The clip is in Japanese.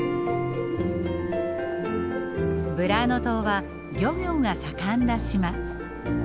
ブラーノ島は漁業が盛んな島。